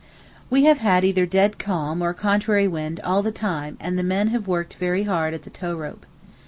We have had either dead calm or contrary wind all the time and the men have worked very hard at the tow rope.